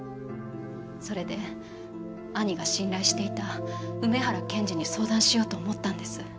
それで兄が信頼していた梅原検事に相談しようと思ったんです。